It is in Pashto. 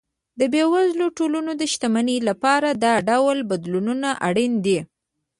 د بېوزلو ټولنو د شتمنۍ لپاره دا ډول بدلون اړین دی.